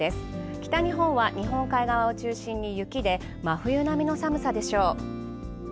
北日本は日本海側を中心に雪で、真冬の寒さでしょう。